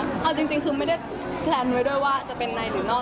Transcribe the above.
เอาจริงคือไม่ได้แพลนไว้ด้วยว่าจะเป็นในหรือนอก